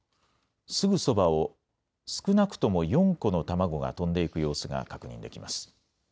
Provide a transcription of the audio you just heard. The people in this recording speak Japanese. すぐそばを少なくとも４個の卵が飛んでいく様子が確認できます。